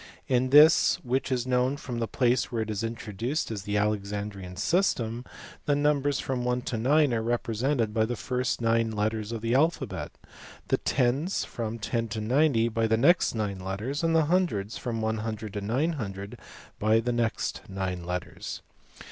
In this, which is known from the place (where it was introduced as the Alexandrian system, the numbers from 1 to 9 are represented by the first nine letters Nof the alphabet; the tens from 10 to 90 by the next nine (fetters; and the hundreds from 100 to 900 by the next nine letters.